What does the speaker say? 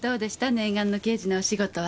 念願の刑事のお仕事は。